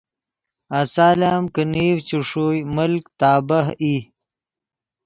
آسال ام کہ نیڤ چے ݰوئے ملک تابہہ ای